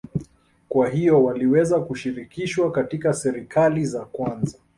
kwa hiyo waliweza kushirikishwa katika serikali za kwanza